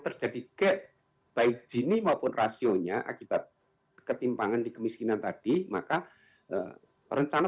terjadi gede baik gini maupun rasionya akibat ketimpangan dikemiskinan tadi maka rencana